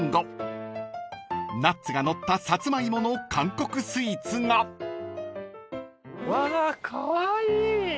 ［ナッツがのったさつまいもの韓国スイーツが］わカワイイ。